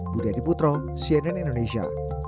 budi ani putro cnn indonesia